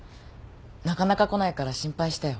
なかなか来ないから心配したよ。